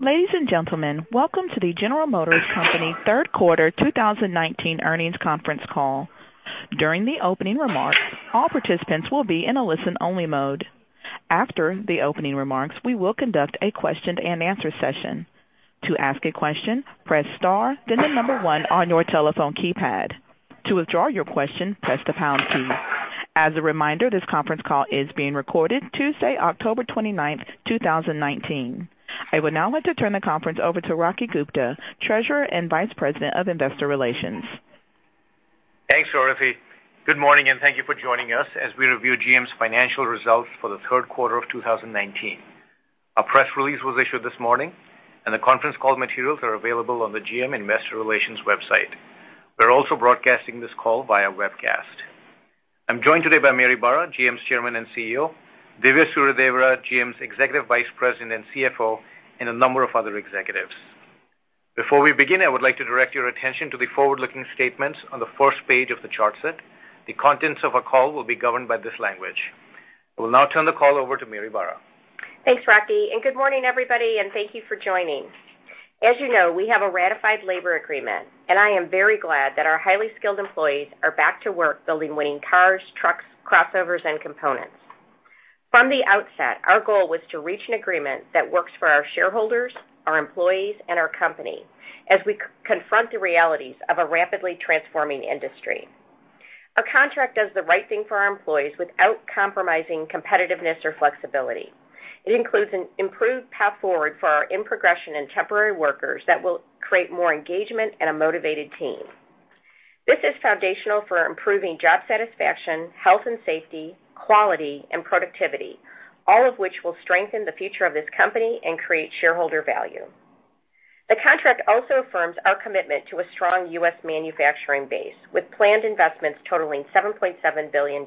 Ladies and gentlemen, welcome to the General Motors Company third quarter 2019 earnings conference call. During the opening remarks, all participants will be in a listen-only mode. After the opening remarks, we will conduct a question-and-answer session. To ask a question, press star, then the number one on your telephone keypad. To withdraw your question, press the pound key. As a reminder, this conference call is being recorded Tuesday, October 29th, 2019. I would now like to turn the conference over to Rocky Gupta, Treasurer and Vice President of Investor Relations. Thanks, Dorothy. Good morning, and thank you for joining us as we review GM's financial results for the third quarter of 2019. A press release was issued this morning, and the conference call materials are available on the GM Investor Relations website. We're also broadcasting this call via webcast. I'm joined today by Mary Barra, GM's Chairman and CEO, Dhivya Suryadevara, GM's Executive Vice President and CFO, and a number of other executives. Before we begin, I would like to direct your attention to the forward-looking statements on the first page of the chart set. The contents of our call will be governed by this language. I will now turn the call over to Mary Barra. Thanks, Rocky. Good morning, everybody, and thank you for joining. As you know, we have a ratified labor agreement. I am very glad that our highly skilled employees are back to work building winning cars, trucks, crossovers, and components. From the outset, our goal was to reach an agreement that works for our shareholders, our employees, and our company as we confront the realities of a rapidly transforming industry. Our contract does the right thing for our employees without compromising competitiveness or flexibility. It includes an improved path forward for our in-progression and temporary workers that will create more engagement and a motivated team. This is foundational for improving job satisfaction, health and safety, quality, and productivity, all of which will strengthen the future of this company and create shareholder value. The contract also affirms our commitment to a strong U.S. manufacturing base, with planned investments totaling $7.7 billion.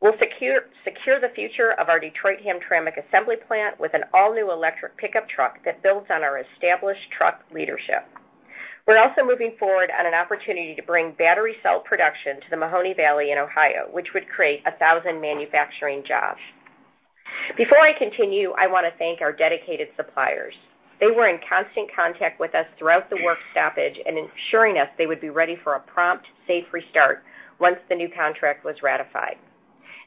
We'll secure the future of our Detroit-Hamtramck assembly plant with an all-new electric pickup truck that builds on our established truck leadership. We're also moving forward on an opportunity to bring battery cell production to the Mahoning Valley in Ohio, which would create 1,000 manufacturing jobs. Before I continue, I want to thank our dedicated suppliers. They were in constant contact with us throughout the work stoppage and ensuring us they would be ready for a prompt, safe restart once the new contract was ratified.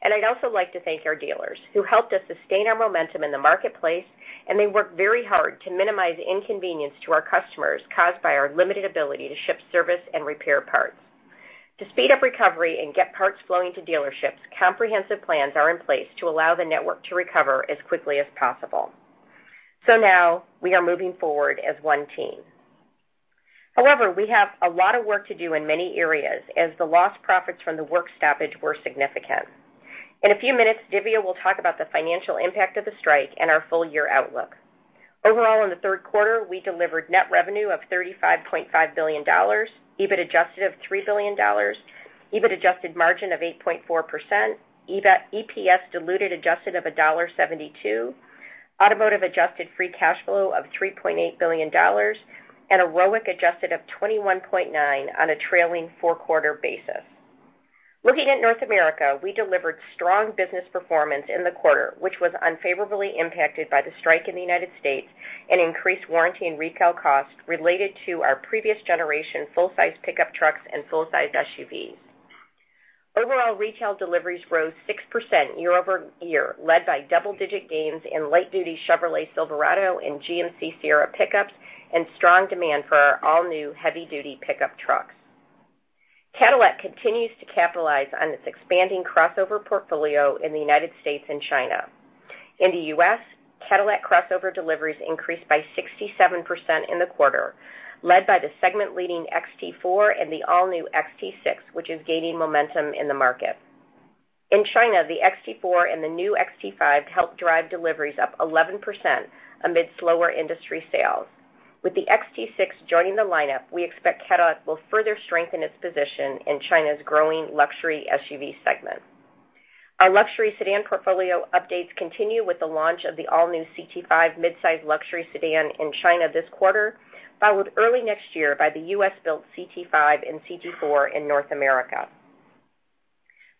I'd also like to thank our dealers who helped us sustain our momentum in the marketplace, and they worked very hard to minimize inconvenience to our customers caused by our limited ability to ship service and repair parts. To speed up recovery and get parts flowing to dealerships, comprehensive plans are in place to allow the network to recover as quickly as possible. Now we are moving forward as one team. However, we have a lot of work to do in many areas, as the lost profits from the work stoppage were significant. In a few minutes, Dhivya will talk about the financial impact of the strike and our full-year outlook. Overall, in the third quarter, we delivered net revenue of $35.5 billion, EBIT adjusted of $3 billion, EBIT adjusted margin of 8.4%, EPS diluted adjusted of $1.72, automotive adjusted free cash flow of $3.8 billion, and a ROIC adjusted of 21.9% on a trailing four-quarter basis. Looking at North America, we delivered strong business performance in the quarter, which was unfavorably impacted by the strike in the United States and increased warranty and recall costs related to our previous generation full-size pickup trucks and full-size SUVs. Overall, retail deliveries rose 6% year-over-year, led by double-digit gains in light-duty Chevrolet Silverado and GMC Sierra pickups and strong demand for our all-new heavy-duty pickup trucks. Cadillac continues to capitalize on its expanding crossover portfolio in the United States and China. In the U.S., Cadillac crossover deliveries increased by 67% in the quarter, led by the segment-leading XT4 and the all-new XT6, which is gaining momentum in the market. In China, the XT4 and the new XT5 helped drive deliveries up 11% amid slower industry sales. With the XT6 joining the lineup, we expect Cadillac will further strengthen its position in China's growing luxury SUV segment. Our luxury sedan portfolio updates continue with the launch of the all-new CT5 midsize luxury sedan in China this quarter, followed early next year by the U.S.-built CT5 and CT4 in North America.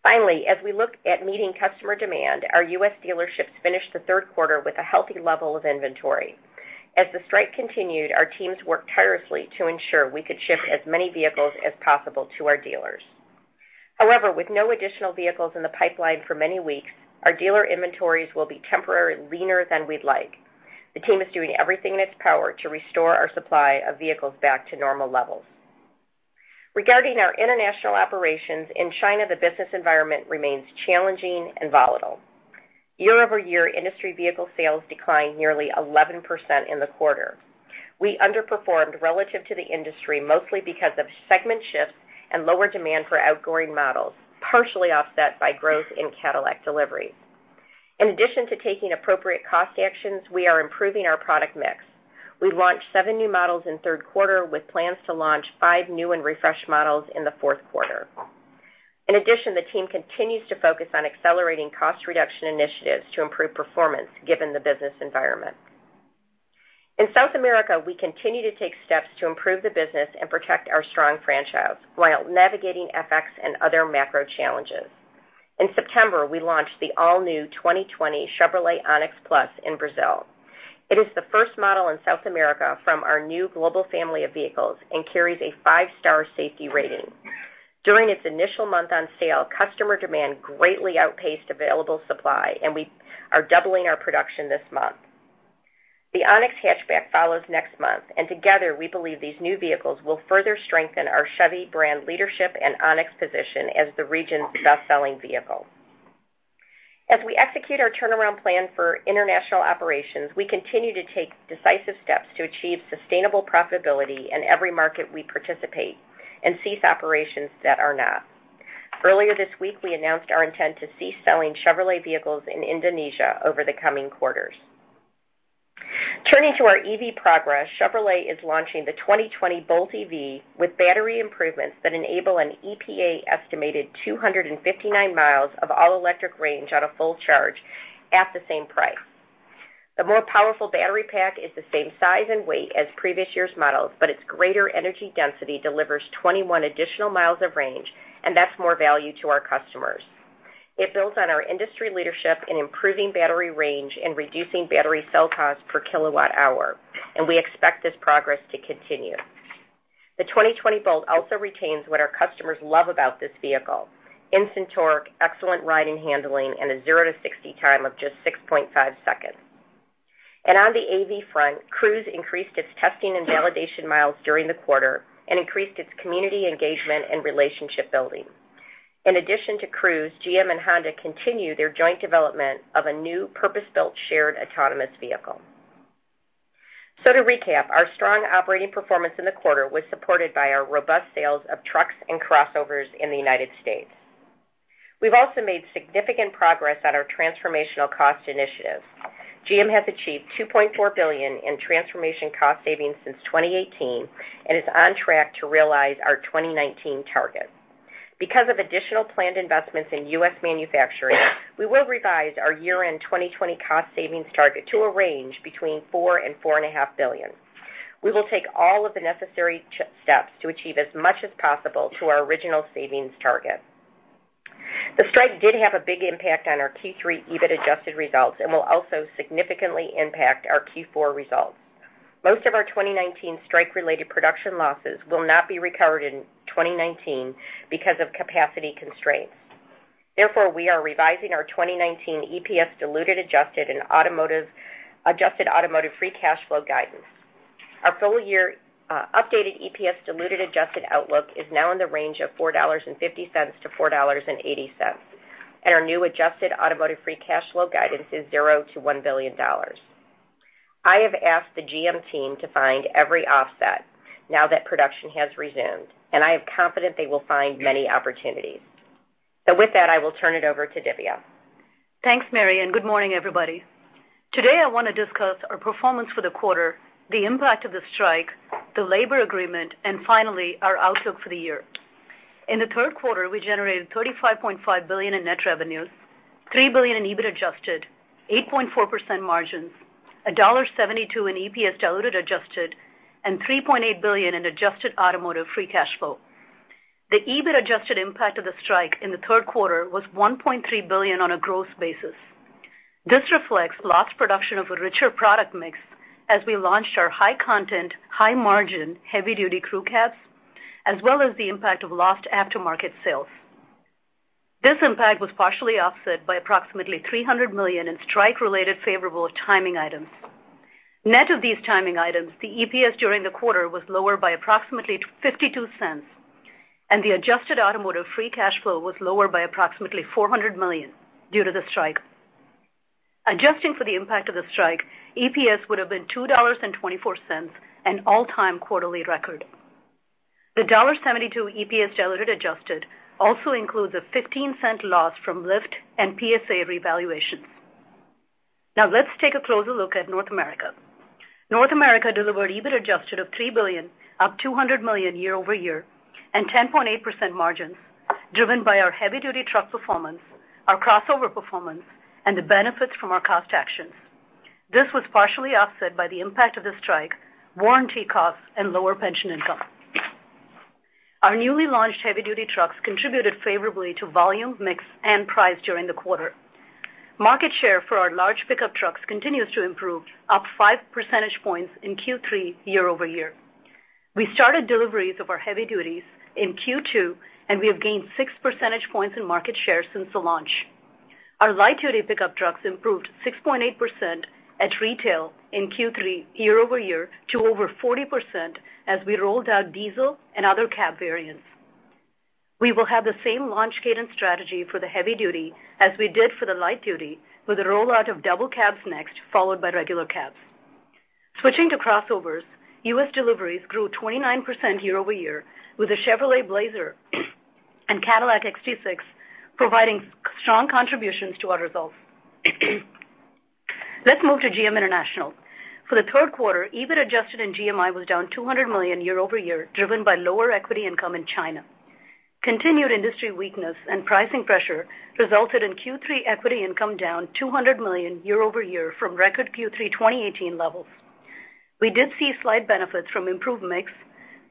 Finally, as we look at meeting customer demand, our U.S. dealerships finished the third quarter with a healthy level of inventory. As the strike continued, our teams worked tirelessly to ensure we could ship as many vehicles as possible to our dealers. However, with no additional vehicles in the pipeline for many weeks, our dealer inventories will be temporarily leaner than we'd like. The team is doing everything in its power to restore our supply of vehicles back to normal levels. Regarding our international operations, in China, the business environment remains challenging and volatile. Year-over-year, industry vehicle sales declined nearly 11% in the quarter. We underperformed relative to the industry mostly because of segment shifts and lower demand for outgoing models, partially offset by growth in Cadillac deliveries. In addition to taking appropriate cost actions, we are improving our product mix. We launched seven new models in the third quarter with plans to launch five new and refreshed models in the fourth quarter. In addition, the team continues to focus on accelerating cost reduction initiatives to improve performance given the business environment. In South America, we continue to take steps to improve the business and protect our strong franchise while navigating FX and other macro challenges. In September, we launched the all-new 2020 Chevrolet Onix Plus in Brazil. It is the first model in South America from our new global family of vehicles and carries a five-star safety rating. During its initial month on sale, customer demand greatly outpaced available supply, and we are doubling our production this month. The Onix hatchback follows next month, and together, we believe these new vehicles will further strengthen our Chevy brand leadership and Onix position as the region's best-selling vehicle. As we execute our turnaround plan for international operations, we continue to take decisive steps to achieve sustainable profitability in every market we participate and cease operations that are not. Earlier this week, we announced our intent to cease selling Chevrolet vehicles in Indonesia over the coming quarters. Turning to our EV progress, Chevrolet is launching the 2020 Bolt EV with battery improvements that enable an EPA-estimated 259 miles of all-electric range on a full charge at the same price. The more powerful battery pack is the same size and weight as previous years' models, but its greater energy density delivers 21 additional miles of range. That's more value to our customers. It builds on our industry leadership in improving battery range and reducing battery cell cost per kilowatt hour. We expect this progress to continue. The 2020 Bolt also retains what our customers love about this vehicle, instant torque, excellent ride and handling, and a zero to 60 time of just 6.5 seconds. On the AV front, Cruise increased its testing and validation miles during the quarter and increased its community engagement and relationship building. In addition to Cruise, GM and Honda continue their joint development of a new purpose-built shared autonomous vehicle. To recap, our strong operating performance in the quarter was supported by our robust sales of trucks and crossovers in the United States. We've also made significant progress on our transformational cost initiatives. GM has achieved $2.4 billion in transformation cost savings since 2018 and is on track to realize our 2019 target. Because of additional planned investments in U.S. manufacturing, we will revise our year-end 2020 cost savings target to a range between $4 billion and $4.5 billion. We will take all of the necessary steps to achieve as much as possible to our original savings target. The strike did have a big impact on our Q3 EBIT adjusted results and will also significantly impact our Q4 results. Most of our 2019 strike-related production losses will not be recovered in 2019 because of capacity constraints. Therefore, we are revising our 2019 EPS diluted adjusted and adjusted automotive free cash flow guidance. Our full-year updated EPS diluted adjusted outlook is now in the range of $4.50 to $4.80. Our new adjusted automotive free cash flow guidance is $0 to $1 billion. I have asked the GM team to find every offset now that production has resumed, and I am confident they will find many opportunities. With that, I will turn it over to Dhivya. Thanks, Mary, and good morning, everybody. Today, I want to discuss our performance for the quarter, the impact of the strike, the labor agreement, and finally, our outlook for the year. In the third quarter, we generated $35.5 billion in net revenues, $3 billion in EBIT adjusted, 8.4% margins, $1.72 in EPS diluted adjusted, and $3.8 billion in adjusted automotive free cash flow. The EBIT adjusted impact of the strike in the third quarter was $1.3 billion on a gross basis. This reflects lost production of a richer product mix as we launched our high-content, high-margin heavy-duty crew cabs, as well as the impact of lost aftermarket sales. This impact was partially offset by approximately $300 million in strike-related favorable timing items. Net of these timing items, the EPS during the quarter was lower by approximately $0.52, and the adjusted automotive free cash flow was lower by approximately $400 million due to the strike. Adjusting for the impact of the strike, EPS would've been $2.24, an all-time quarterly record. The $1.72 EPS diluted adjusted also includes a $0.15 loss from Lyft and PSA revaluations. Let's take a closer look at North America. North America delivered EBIT adjusted of $3 billion, up $200 million year-over-year, and 10.8% margins driven by our heavy-duty truck performance, our crossover performance, and the benefits from our cost actions. This was partially offset by the impact of the strike, warranty costs, and lower pension income. Our newly launched heavy-duty trucks contributed favorably to volume, mix, and price during the quarter. Market share for our large pickup trucks continues to improve, up 5 percentage points in Q3 year-over-year. We started deliveries of our heavy duties in Q2, and we have gained 6 percentage points in market share since the launch. Our light-duty pickup trucks improved 6.8% at retail in Q3 year-over-year to over 40% as we rolled out diesel and other cab variants. We will have the same launch cadence strategy for the heavy duty as we did for the light duty, with the rollout of double cabs next, followed by regular cabs. Switching to crossovers, U.S. deliveries grew 29% year-over-year, with the Chevrolet Blazer and Cadillac XT6 providing strong contributions to our results. Let's move to GM International. For the third quarter, EBIT adjusted in GMI was down $200 million year-over-year, driven by lower equity income in China. Continued industry weakness and pricing pressure resulted in Q3 equity income down $200 million year-over-year from record Q3 2018 levels. We did see slight benefits from improved mix,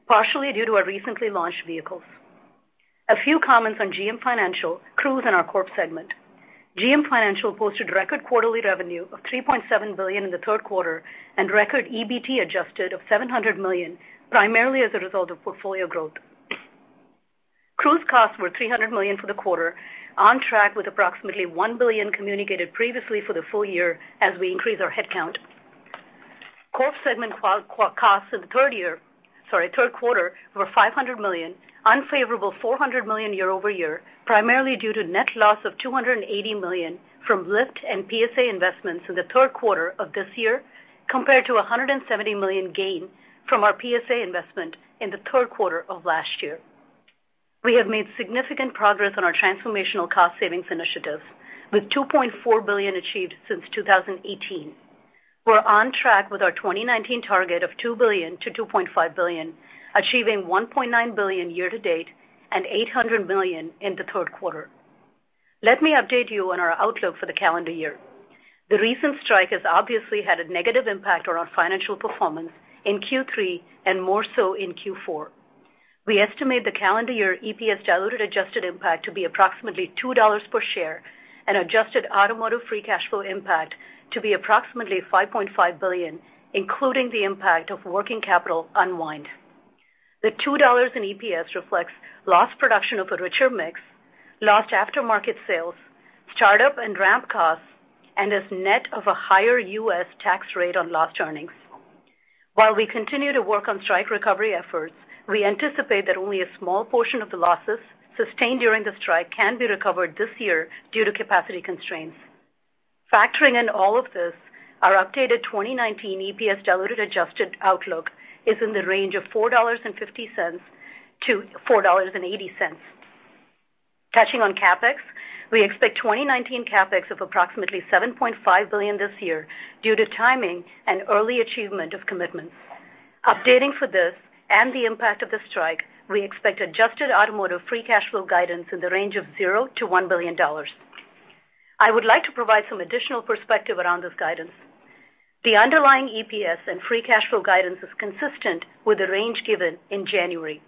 partially due to our recently launched vehicles. A few comments on GM Financial, Cruise, and our Corp segment. GM Financial posted record quarterly revenue of $3.7 billion in the third quarter and record EBT adjusted of $700 million, primarily as a result of portfolio growth. Cruise costs were $300 million for the quarter, on track with approximately $1 billion communicated previously for the full year as we increase our headcount. Corp segment costs in the third quarter were $500 million, unfavorable $400 million year-over-year, primarily due to net loss of $280 million from Lyft and PSA investments in the third quarter of this year, compared to $170 million gain from our PSA investment in the third quarter of last year. We have made significant progress on our transformational cost savings initiatives, with $2.4 billion achieved since 2018. We're on track with our 2019 target of $2 billion-$2.5 billion, achieving $1.9 billion year to date and $800 million in the third quarter. Let me update you on our outlook for the calendar year. The recent strike has obviously had a negative impact on our financial performance in Q3 and more so in Q4. We estimate the calendar year EPS diluted adjusted impact to be approximately $2 per share and adjusted automotive free cash flow impact to be approximately $5.5 billion, including the impact of working capital unwind. The $2 in EPS reflects lost production of a richer mix, lost aftermarket sales, startup and ramp costs, and is net of a higher U.S. tax rate on lost earnings. While we continue to work on strike recovery efforts, we anticipate that only a small portion of the losses sustained during the strike can be recovered this year due to capacity constraints. Factoring in all of this, our updated 2019 EPS diluted adjusted outlook is in the range of $4.50-$4.80. Touching on CapEx, we expect 2019 CapEx of approximately $7.5 billion this year due to timing and early achievement of commitments. Updating for this and the impact of the strike, we expect adjusted automotive free cash flow guidance in the range of 0-$1 billion. I would like to provide some additional perspective around this guidance. The underlying EPS and free cash flow guidance is consistent with the range given in January.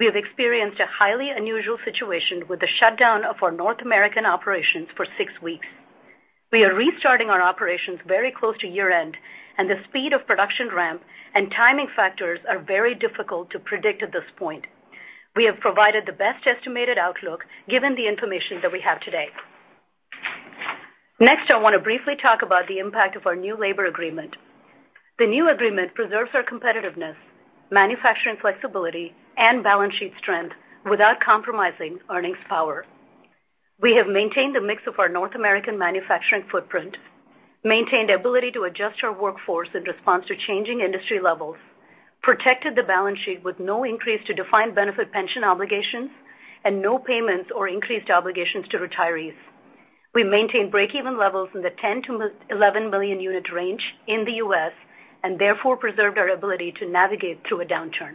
We have experienced a highly unusual situation with the shutdown of our North American operations for 6 weeks. We are restarting our operations very close to year-end, and the speed of production ramp and timing factors are very difficult to predict at this point. We have provided the best estimated outlook given the information that we have today. Next, I want to briefly talk about the impact of our new labor agreement. The new agreement preserves our competitiveness, manufacturing flexibility, and balance sheet strength without compromising earnings power. We have maintained the mix of our North American manufacturing footprint, maintained the ability to adjust our workforce in response to changing industry levels, protected the balance sheet with no increase to defined benefit pension obligations, and no payments or increased obligations to retirees. We maintained breakeven levels in the 10 million-11 million unit range in the U.S. and therefore preserved our ability to navigate through a downturn.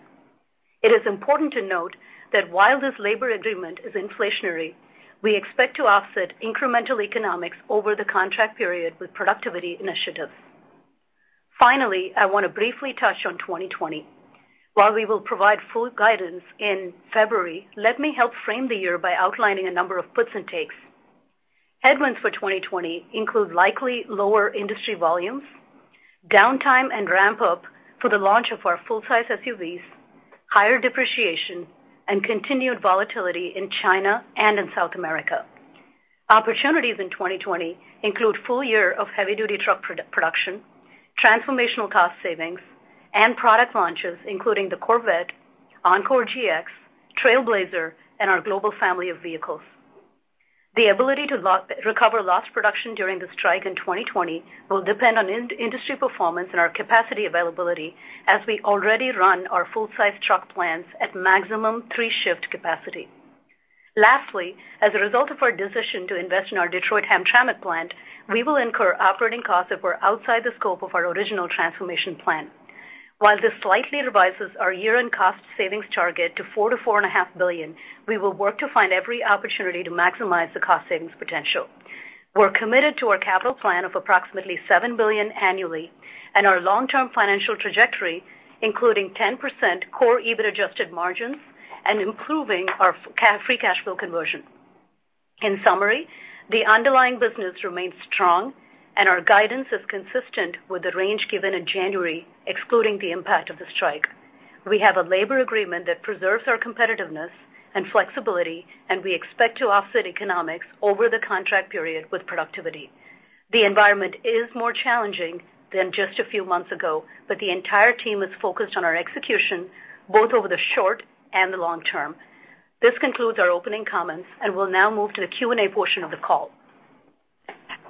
It is important to note that while this labor agreement is inflationary, we expect to offset incremental economics over the contract period with productivity initiatives. Finally, I want to briefly touch on 2020. While we will provide full guidance in February, let me help frame the year by outlining a number of puts and takes. Headwinds for 2020 include likely lower industry volumes, downtime and ramp up for the launch of our full-size SUVs, higher depreciation, and continued volatility in China and in South America. Opportunities in 2020 include full year of heavy-duty truck production, transformational cost savings, and product launches, including the Corvette, Encore GX, Trailblazer, and our global family of vehicles. The ability to recover lost production during the strike in 2020 will depend on industry performance and our capacity availability as we already run our full-size truck plants at maximum three-shift capacity. Lastly, as a result of our decision to invest in our Detroit Hamtramck plant, we will incur operating costs that were outside the scope of our original transformation plan. While this slightly revises our year-end cost savings target to $4 billion-$4.5 billion, we will work to find every opportunity to maximize the cost savings potential. We're committed to our capital plan of approximately $7 billion annually and our long-term financial trajectory, including 10% core EBIT adjusted margins and improving our free cash flow conversion. In summary, the underlying business remains strong, and our guidance is consistent with the range given in January, excluding the impact of the strike. We have a labor agreement that preserves our competitiveness and flexibility, and we expect to offset economics over the contract period with productivity. The environment is more challenging than just a few months ago, but the entire team is focused on our execution, both over the short and the long term. This concludes our opening comments, and we'll now move to the Q&A portion of the call.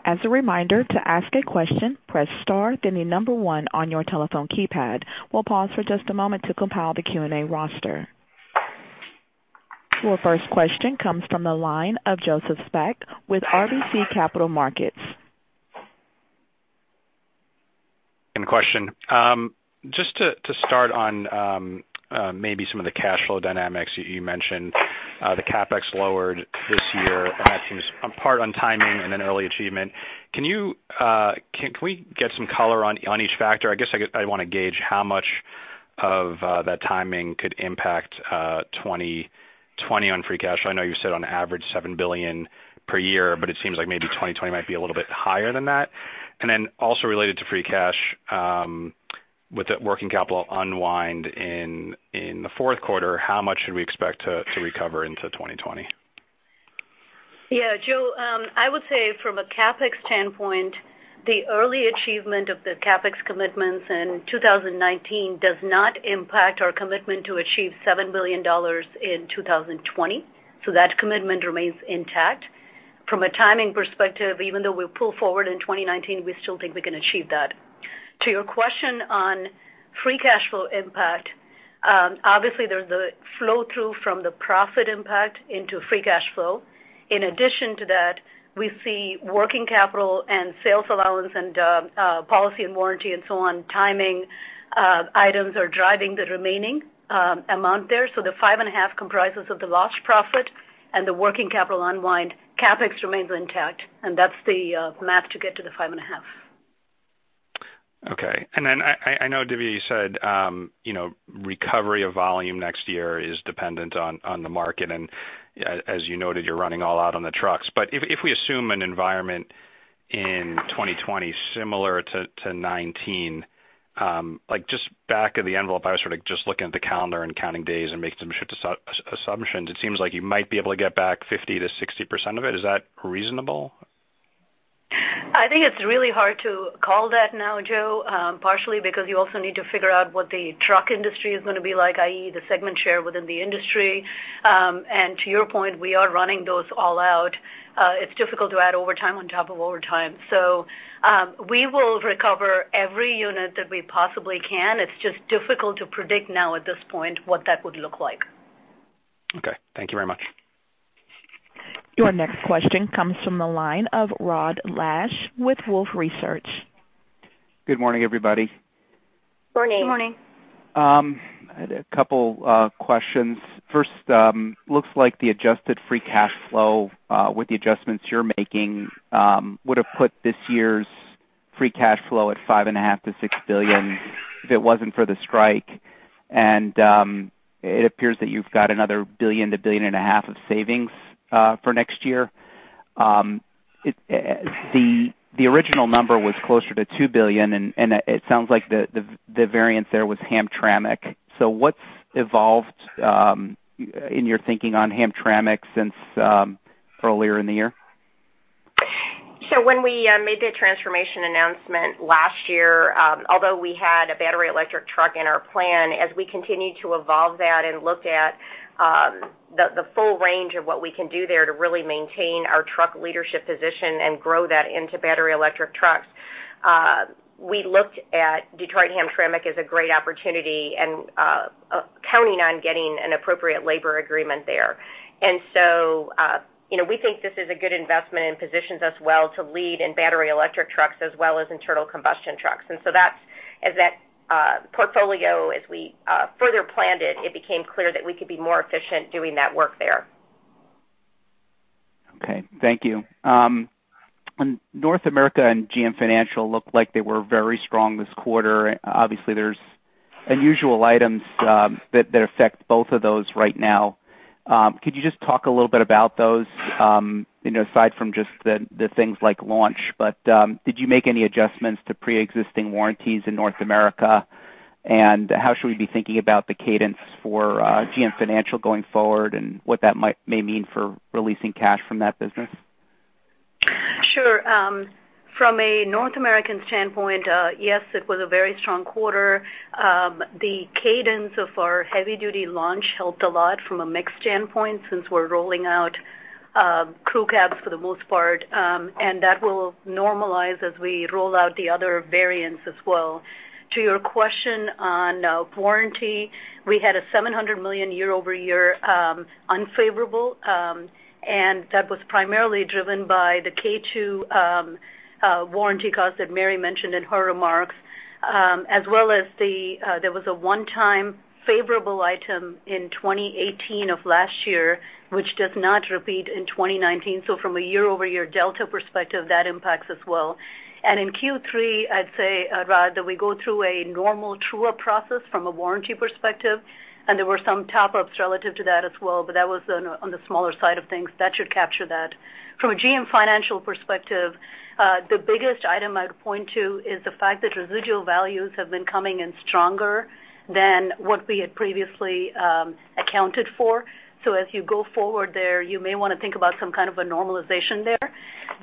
As a reminder, to ask a question, press star, then the number one on your telephone keypad. We'll pause for just a moment to compile the Q&A roster. Your first question comes from the line of Joseph Spak with RBC Capital Markets. Second question. Just to start on maybe some of the cash flow dynamics. You mentioned the CapEx lowered this year, and that seems part on timing and then early achievement. Can we get some color on each factor? I guess I want to gauge how much of that timing could impact 2020 on free cash. I know you said on average $7 billion per year, but it seems like maybe 2020 might be a little bit higher than that. Also related to free cash, with the working capital unwind in the fourth quarter, how much should we expect to recover into 2020? Yeah, Joe, I would say from a CapEx standpoint, the early achievement of the CapEx commitments in 2019 does not impact our commitment to achieve $7 billion in 2020. That commitment remains intact. From a timing perspective, even though we pull forward in 2019, we still think we can achieve that. To your question on free cash flow impact, obviously there's the flow-through from the profit impact into free cash flow. In addition to that, we see working capital and sales allowance and policy and warranty and so on, timing items are driving the remaining amount there. The five and a half comprises of the lost profit and the working capital unwind. CapEx remains intact, and that's the math to get to the five and a half. Okay. I know, Dhivya, you said recovery of volume next year is dependent on the market, and as you noted, you're running all out on the trucks. If we assume an environment in 2020 similar to 2019, just back of the envelope, I was sort of just looking at the calendar and counting days and making some assumptions. It seems like you might be able to get back 50%-60% of it. Is that reasonable? I think it's really hard to call that now, Joe. Partially because you also need to figure out what the truck industry is going to be like, i.e., the segment share within the industry. To your point, we are running those all out. It's difficult to add overtime on top of overtime. We will recover every unit that we possibly can. It's just difficult to predict now at this point what that would look like. Okay. Thank you very much. Your next question comes from the line of Rod Lache with Wolfe Research. Good morning, everybody. Morning. Good morning. I had a couple questions. First, looks like the adjusted free cash flow, with the adjustments you're making, would have put this year's free cash flow at $5.5 billion-$6 billion if it wasn't for the strike. It appears that you've got another $1 billion-$1.5 billion of savings for next year. The original number was closer to $2 billion, and it sounds like the variance there was Hamtramck. What's evolved in your thinking on Hamtramck since earlier in the year? When we made the transformation announcement last year, although we had a battery electric truck in our plan, as we continued to evolve that and look at the full range of what we can do there to really maintain our truck leadership position and grow that into battery electric trucks, we looked at Detroit Hamtramck as a great opportunity, and counting on getting an appropriate labor agreement there. We think this is a good investment and positions us well to lead in battery electric trucks as well as internal combustion trucks. That portfolio, as we further planned it became clear that we could be more efficient doing that work there. Okay. Thank you. North America and GM Financial looked like they were very strong this quarter. Obviously, there's unusual items that affect both of those right now. Could you just talk a little bit about those, aside from just the things like launch, but did you make any adjustments to preexisting warranties in North America? How should we be thinking about the cadence for GM Financial going forward and what that may mean for releasing cash from that business? Sure. From a North American standpoint, yes, it was a very strong quarter. The cadence of our heavy-duty launch helped a lot from a mix standpoint since we're rolling out crew cabs for the most part, and that will normalize as we roll out the other variants as well. To your question on warranty, we had a $700 million year-over-year unfavorable, and that was primarily driven by the K2XX warranty cost that Mary mentioned in her remarks, as well as there was a one-time favorable item in 2018 of last year, which does not repeat in 2019. From a year-over-year delta perspective, that impacts as well. In Q3, I'd say, Rod, that we go through a normal truer process from a warranty perspective, and there were some top-ups relative to that as well, but that was on the smaller side of things. That should capture that. From a GM Financial perspective, the biggest item I'd point to is the fact that residual values have been coming in stronger than what we had previously accounted for. As you go forward there, you may want to think about some kind of a normalization there.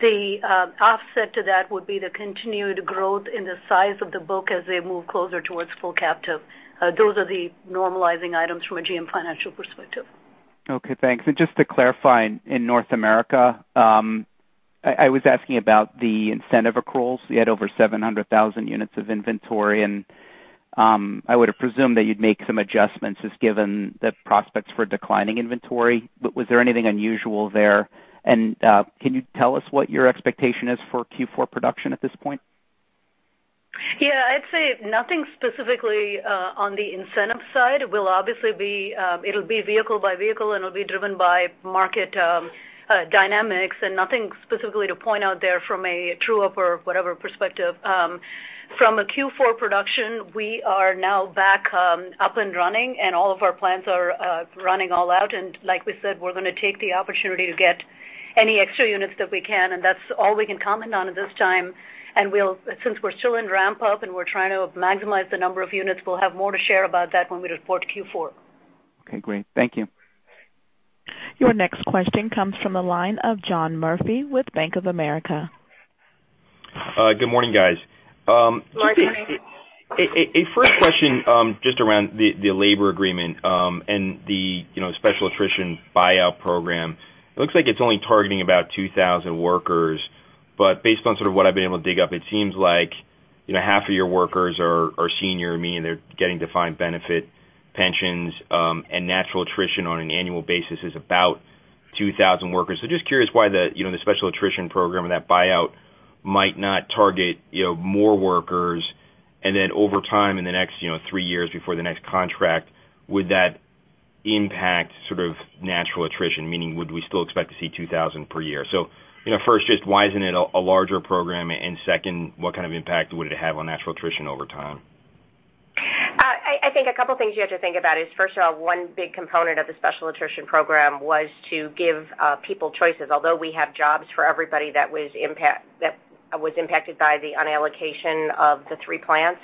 The offset to that would be the continued growth in the size of the book as they move closer towards full captive. Those are the normalizing items from a GM Financial perspective. Okay, thanks. Just to clarify, in North America, I was asking about the incentive accruals. You had over 700,000 units of inventory and I would have presumed that you'd make some adjustments as given the prospects for declining inventory. Was there anything unusual there? Can you tell us what your expectation is for Q4 production at this point? Yeah, I'd say nothing specifically on the incentive side. It'll be vehicle by vehicle, and it'll be driven by market dynamics. Nothing specifically to point out there from a true-up or whatever perspective. From a Q4 production, we are now back up and running, and all of our plants are running all out. Like we said, we're going to take the opportunity to get any extra units that we can, and that's all we can comment on at this time. Since we're still in ramp-up and we're trying to maximize the number of units, we'll have more to share about that when we report Q4. Okay, great. Thank you. Your next question comes from the line of John Murphy with Bank of America. Good morning, guys. Good morning. A first question just around the labor agreement and the special attrition buyout program. It looks like it's only targeting about 2,000 workers. Based on sort of what I've been able to dig up, it seems like half of your workers are senior, meaning they're getting defined benefit pensions and natural attrition on an annual basis is about 2,000 workers. Just curious why the special attrition program or that buyout might not target more workers. Over time, in the next three years before the next contract, would that impact sort of natural attrition? Meaning, would we still expect to see 2,000 per year? First, just why isn't it a larger program? Second, what kind of impact would it have on natural attrition over time? I think a couple of things you have to think about is, first of all, one big component of the special attrition program was to give people choices. Although we have jobs for everybody that was impacted by the unallocation of the three plants,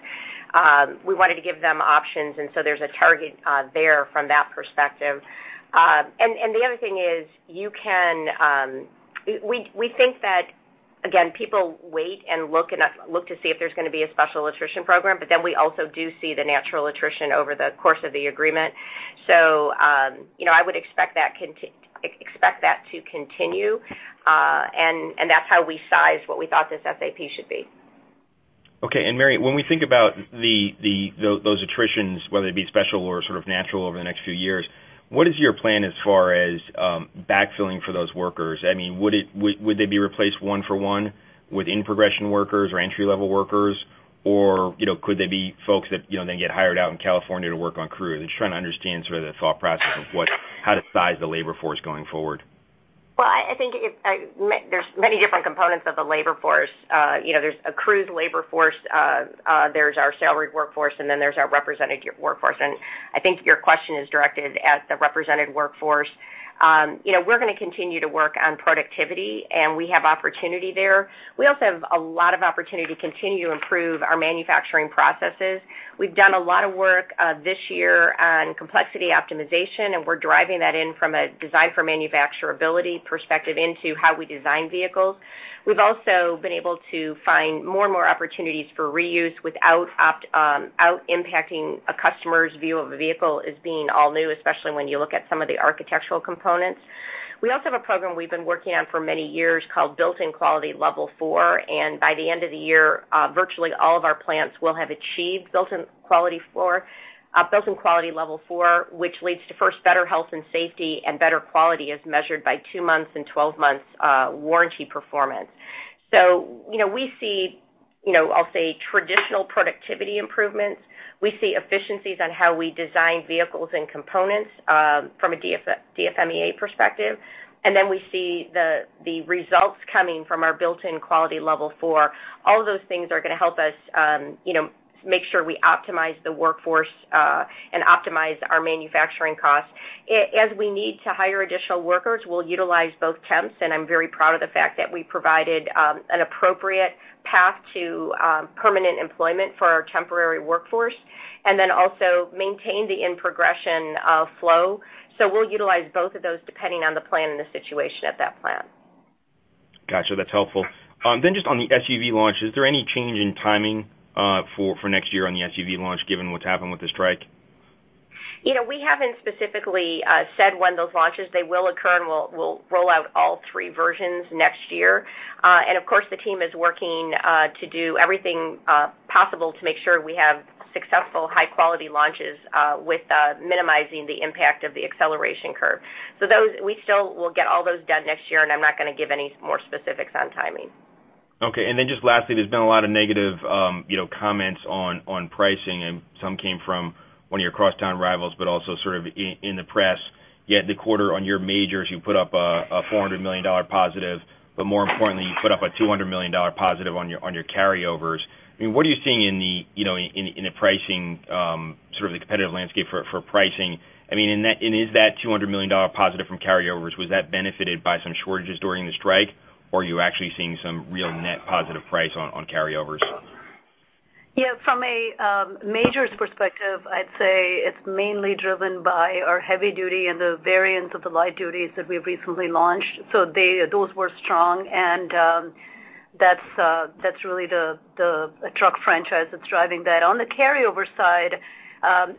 we wanted to give them options. There's a target there from that perspective. The other thing is, we think that, again, people wait and look to see if there's going to be a special attrition program. We also do see the natural attrition over the course of the agreement. I would expect that to continue. That's how we sized what we thought this SAP should be. Okay. Mary, when we think about those attritions, whether it be special or sort of natural over the next few years, what is your plan as far as backfilling for those workers? Would they be replaced one for one with in-progression workers or entry-level workers, or could they be folks that then get hired out in California to work on Cruise? I'm just trying to understand sort of the thought process of how to size the labor force going forward. Well, I think there's many different components of the labor force. There's a Cruise labor force, there's our salary workforce, there's our represented workforce. I think your question is directed at the represented workforce. We're going to continue to work on productivity, we have opportunity there. We also have a lot of opportunity to continue to improve our manufacturing processes. We've done a lot of work this year on complexity optimization, we're driving that in from a design for manufacturability perspective into how we design vehicles. We've also been able to find more and more opportunities for reuse without impacting a customer's view of a vehicle as being all new, especially when you look at some of the architectural components. We also have a program we've been working on for many years called Built-In Quality Level Four, and by the end of the year, virtually all of our plants will have achieved Built-In Quality Level Four, which leads to, first, better health and safety and better quality as measured by two months and 12 months warranty performance. We see I'll say traditional productivity improvements. We see efficiencies on how we design vehicles and components from a DFMEA perspective. We see the results coming from our Built-In Quality Level Four. All of those things are going to help us make sure we optimize the workforce and optimize our manufacturing costs. As we need to hire additional workers, we'll utilize both temps, and I'm very proud of the fact that we provided an appropriate path to permanent employment for our temporary workforce, and then also maintain the in-progression flow. We'll utilize both of those depending on the plan and the situation at that plant. Got you. That's helpful. Just on the SUV launch, is there any change in timing for next year on the SUV launch given what's happened with the strike? We haven't specifically said when those launches will occur. We'll roll out all three versions next year. Of course, the team is working to do everything possible to make sure we have successful high-quality launches with minimizing the impact of the acceleration curve. We still will get all those done next year. I'm not going to give any more specifics on timing. Okay. Just lastly, there's been a lot of negative comments on pricing, some came from one of your crosstown rivals, also sort of in the press. The quarter on your majors, you put up a $400 million positive, more importantly, you put up a $200 million positive on your carryovers. What are you seeing in the pricing sort of the competitive landscape for pricing? Is that $200 million positive from carryovers, was that benefited by some shortages during the strike, or are you actually seeing some real net positive price on carryovers? From a majors perspective, I'd say it's mainly driven by our heavy duty and the variants of the light duties that we've recently launched. Those were strong, and that's really the truck franchise that's driving that. On the carryover side,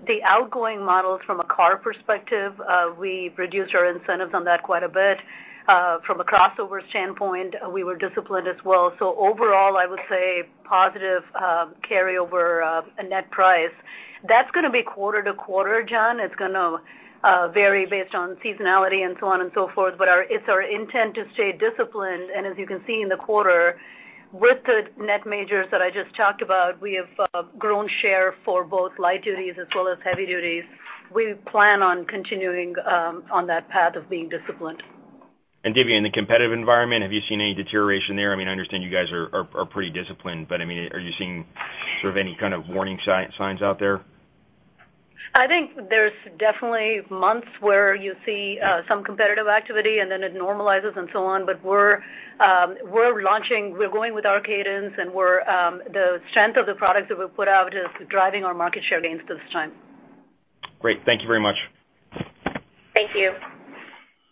the outgoing models from a car perspective, we reduced our incentives on that quite a bit. From a crossover standpoint, we were disciplined as well. Overall, I would say positive carryover net price. That's going to be quarter to quarter, John. It's going to vary based on seasonality and so on and so forth. It's our intent to stay disciplined, and as you can see in the quarter, with the net majors that I just talked about, we have grown share for both light duties as well as heavy duties. We plan on continuing on that path of being disciplined. Dhivya, in the competitive environment, have you seen any deterioration there? I understand you guys are pretty disciplined, are you seeing any kind of warning signs out there? I think there's definitely months where you see some competitive activity, and then it normalizes and so on. We're launching, we're going with our cadence, and the strength of the products that we've put out is driving our market share gains at this time. Great. Thank you very much. Thank you.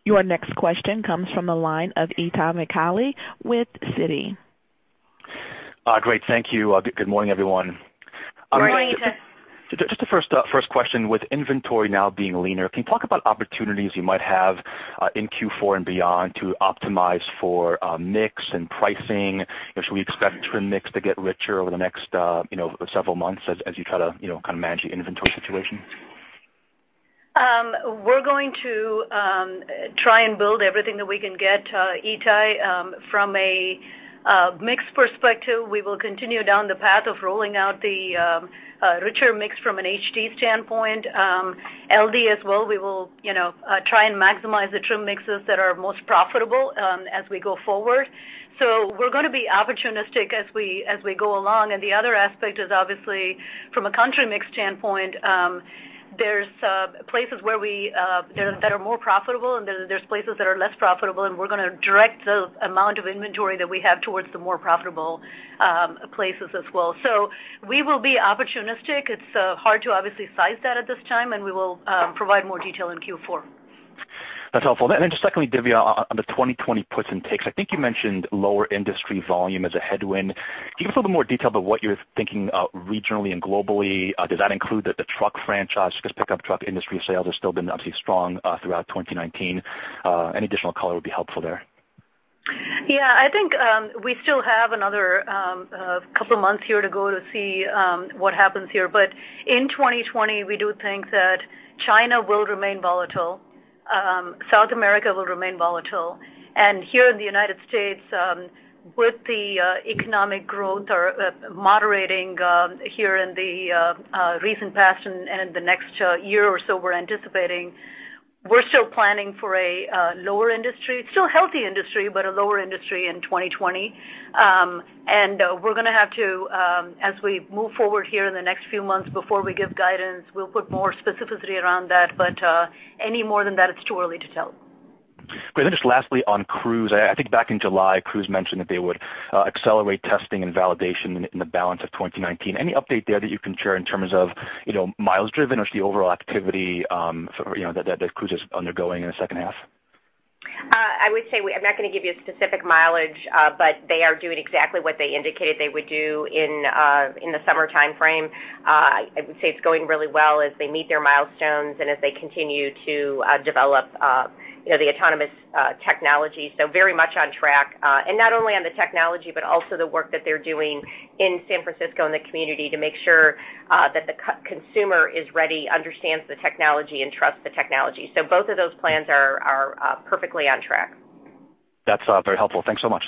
Your next question comes from the line of Itay Michaeli with Citi. Great, thank you. Good morning, everyone. Good morning, Itay. Just the first question, with inventory now being leaner, can you talk about opportunities you might have in Q4 and beyond to optimize for mix and pricing? Should we expect trim mix to get richer over the next several months as you try to manage your inventory situation? We're going to try and build everything that we can get, Itay. From a mix perspective, we will continue down the path of rolling out the richer mix from an HD standpoint. LD as well, we will try and maximize the trim mixes that are most profitable as we go forward. We're going to be opportunistic as we go along. The other aspect is obviously from a country mix standpoint, there's places that are more profitable, and then there's places that are less profitable, and we're going to direct the amount of inventory that we have towards the more profitable places as well. We will be opportunistic. It's hard to obviously size that at this time, and we will provide more detail in Q4. That's helpful. Just secondly, Divya, on the 2020 puts and takes, I think you mentioned lower industry volume as a headwind. Can you give a little more detail about what you're thinking regionally and globally? Does that include the truck franchise, because pickup truck industry sales have still been obviously strong throughout 2019? Any additional color would be helpful there. Yeah, I think we still have another couple of months here to go to see what happens here. In 2020, we do think that China will remain volatile. South America will remain volatile. Here in the U.S., with the economic growth moderating here in the recent past and in the next year or so, we're anticipating, we're still planning for a lower industry. Still healthy industry, but a lower industry in 2020. We're going to have to, as we move forward here in the next few months before we give guidance, we'll put more specificity around that. Any more than that, it's too early to tell. Great. Just lastly on Cruise. I think back in July, Cruise mentioned that they would accelerate testing and validation in the balance of 2019. Any update there that you can share in terms of miles driven or just the overall activity that Cruise is undergoing in the second half? I would say I'm not going to give you a specific mileage, but they are doing exactly what they indicated they would do in the summer timeframe. I would say it's going really well as they meet their milestones and as they continue to develop the autonomous technology. Very much on track. Not only on the technology, but also the work that they're doing in San Francisco and the community to make sure that the consumer is ready, understands the technology, and trusts the technology. Both of those plans are perfectly on track. That's very helpful. Thanks so much.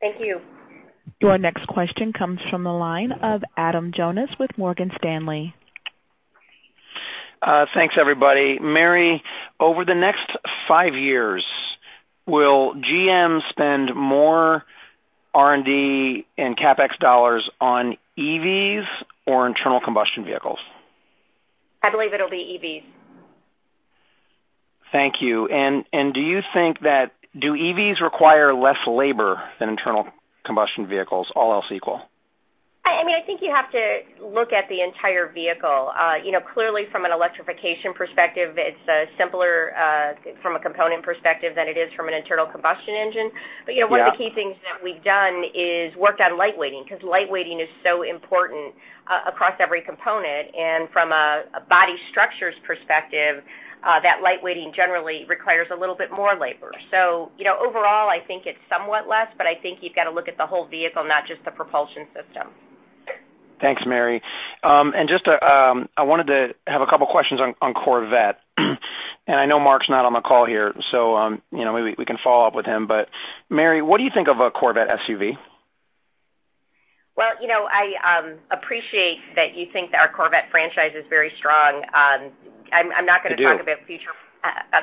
Thank you. Your next question comes from the line of Adam Jonas with Morgan Stanley. Thanks, everybody. Mary, over the next five years, will GM spend more R&D and CapEx dollars on EVs or internal combustion vehicles? I believe it'll be EVs. Thank you. Do EVs require less labor than internal combustion vehicles, all else equal? I think you have to look at the entire vehicle. Clearly from an electrification perspective, it's simpler from a component perspective than it is from an internal combustion engine. Yeah. One of the key things that we've done is worked on light weighting, because light weighting is so important across every component. From a body structures perspective, that light weighting generally requires a little bit more labor. Overall, I think it's somewhat less, but I think you've got to look at the whole vehicle, not just the propulsion system. Thanks, Mary. I wanted to have a couple questions on Corvette. I know Mark's not on the call here, so maybe we can follow up with him. Mary, what do you think of a Corvette SUV? Well, I appreciate that you think that our Corvette franchise is very strong. It is.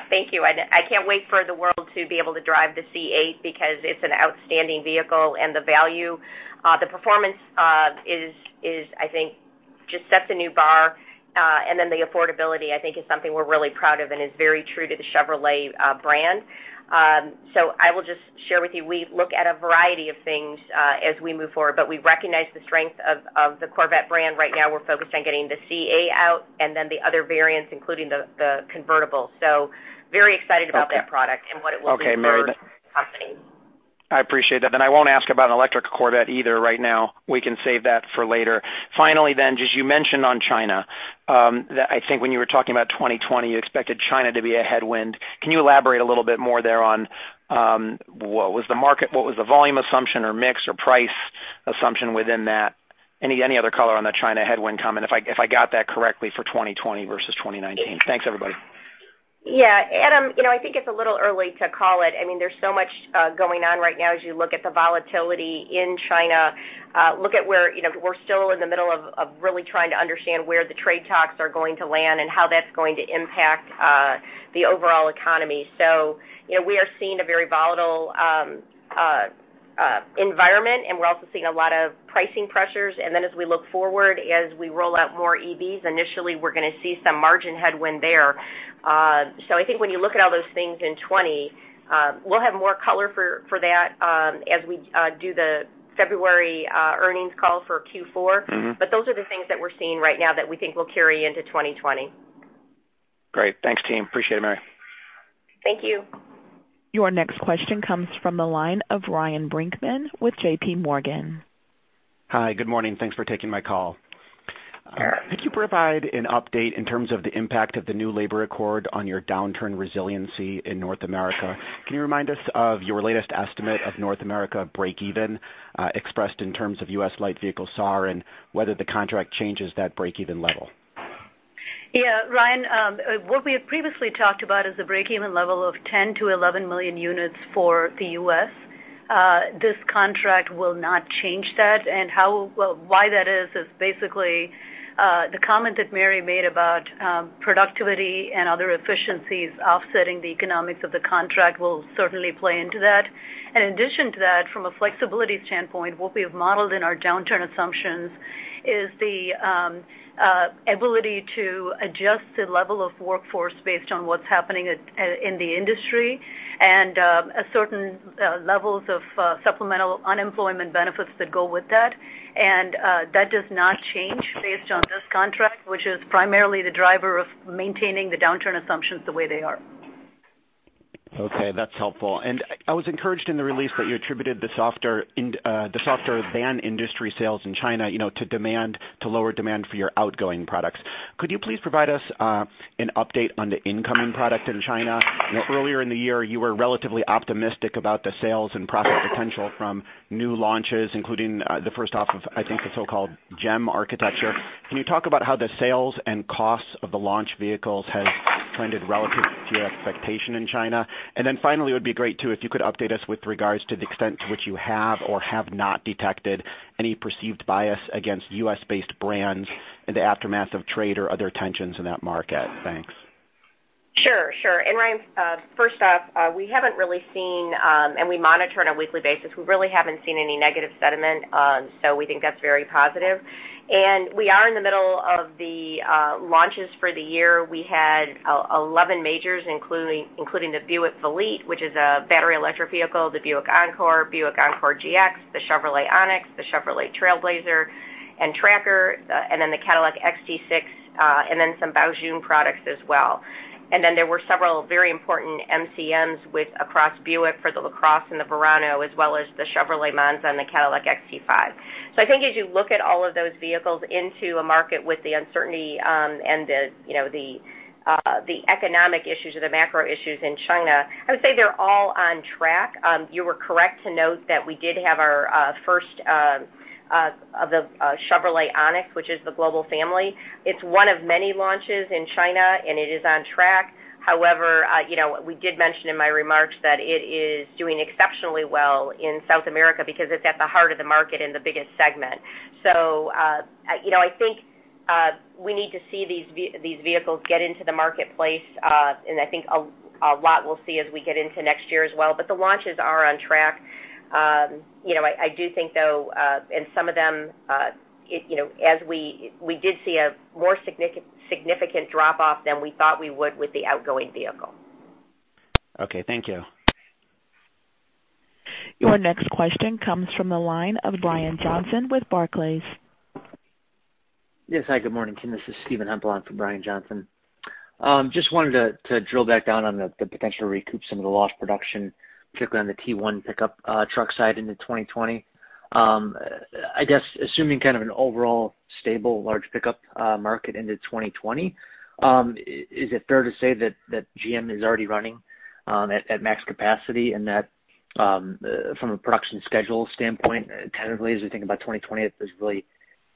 Thank you. I can't wait for the world to be able to drive the C8 because it's an outstanding vehicle, and the value, the performance just sets a new bar. The affordability, I think, is something we're really proud of and is very true to the Chevrolet brand. I will just share with you, we look at a variety of things as we move forward, but we recognize the strength of the Corvette brand. Right now, we're focused on getting the C8 out and then the other variants, including the convertible. Very excited about that product and what it will mean for the company. I appreciate that. I won't ask about an electric Corvette either right now. We can save that for later. Finally, just you mentioned on China I think when you were talking about 2020, you expected China to be a headwind. Can you elaborate a little bit more there on what was the volume assumption, or mix, or price assumption within that? Any other color on the China headwind comment, if I got that correctly for 2020 versus 2019? Thanks, everybody. Yeah, Adam, I think it's a little early to call it. There's so much going on right now as you look at the volatility in China. We're still in the middle of really trying to understand where the trade talks are going to land and how that's going to impact the overall economy. We are seeing a very volatile environment, and we're also seeing a lot of pricing pressures. As we look forward, as we roll out more EVs, initially, we're going to see some margin headwind there. I think when you look at all those things in 2020, we'll have more color for that as we do the February earnings call for Q4. Those are the things that we're seeing right now that we think will carry into 2020. Great. Thanks, team. Appreciate it, Mary. Thank you. Your next question comes from the line of Ryan Brinkman with J.P. Morgan. Hi, good morning. Thanks for taking my call. Could you provide an update in terms of the impact of the new labor accord on your downturn resiliency in North America? Can you remind us of your latest estimate of North America break even, expressed in terms of U.S. light vehicle SAR and whether the contract changes that break-even level? Yeah, Ryan, what we had previously talked about is a break-even level of 10 to 11 million units for the U.S. This contract will not change that. Why that is basically the comment that Mary made about productivity and other efficiencies offsetting the economics of the contract will certainly play into that. In addition to that, from a flexibility standpoint, what we have modeled in our downturn assumptions is the ability to adjust the level of workforce based on what's happening in the industry and certain levels of supplemental unemployment benefits that go with that. That does not change based on this contract, which is primarily the driver of maintaining the downturn assumptions the way they are. Okay. That's helpful. I was encouraged in the release that you attributed the softer than industry sales in China to lower demand for your outgoing products. Could you please provide us an update on the incoming product in China? Earlier in the year, you were relatively optimistic about the sales and profit potential from new launches, including the first half of, I think, the so-called GEM architecture. Can you talk about how the sales and costs of the launch vehicles has trended relative to your expectation in China? Finally, it would be great, too, if you could update us with regards to the extent to which you have or have not detected any perceived bias against U.S.-based brands in the aftermath of trade or other tensions in that market. Thanks. Ryan, first off, we haven't really seen, and we monitor on a weekly basis, any negative sentiment. We think that's very positive. We are in the middle of the launches for the year. We had 11 majors, including the Buick Velite, which is a battery electric vehicle, the Buick Encore, Buick Encore GX, the Chevrolet Onix, the Chevrolet Trailblazer, and Tracker, and then the Cadillac XT6, and then some Baojun products as well. There were several very important MCMs across Buick for the LaCrosse and the Verano, as well as the Chevrolet Monza and the Cadillac XT5. I think as you look at all of those vehicles into a market with the uncertainty and the economic issues or the macro issues in China, I would say they're all on track. You were correct to note that we did have our first of the Chevrolet Onix, which is the global family. It's one of many launches in China, and it is on track. We did mention in my remarks that it is doing exceptionally well in South America because it's at the heart of the market in the biggest segment. I think we need to see these vehicles get into the marketplace, and I think a lot we'll see as we get into next year as well. The launches are on track. I do think, though, in some of them, we did see a more significant drop off than we thought we would with the outgoing vehicle. Okay. Thank you. Your next question comes from the line of Brian Johnson with Barclays. Yes. Hi, good morning, team. This is Steven Hempel for Brian Johnson. Just wanted to drill back down on the potential to recoup some of the lost production, particularly on the T1XX pickup truck side into 2020. I guess, assuming kind of an overall stable, large pickup market into 2020, is it fair to say that GM is already running at max capacity, and that from a production schedule standpoint, tentatively, as we think about 2020, there's really